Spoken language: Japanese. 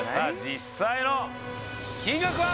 実際の金額は？